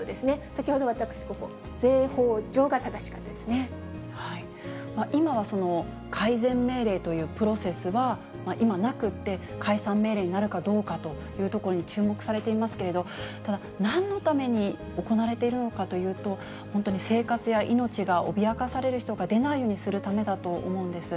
先ほど私、ここ、今は改善命令というプロセスは、今なくって、解散命令になるかどうかというところに注目されていますけれど、ただ、なんのために行われているのかというと、本当に生活や命が脅かされる人が出ないようにするためだと思うんです。